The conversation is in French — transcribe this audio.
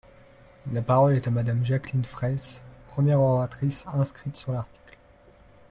La parole est à Madame Jacqueline Fraysse, première oratrice inscrite sur l’article.